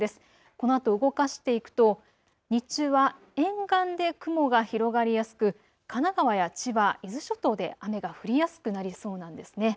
このあと動かしていくと日中は沿岸で雲が広がりやすく神奈川や千葉、伊豆諸島で雨が降りやすくなりそうなんです。